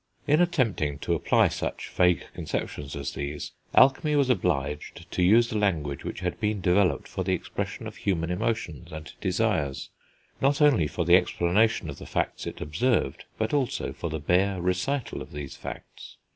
In attempting to apply such vague conceptions as these, alchemy was obliged to use the language which had been developed for the expression of human emotions and desires, not only for the explanation of the facts it observed, but also for the bare recital of these facts.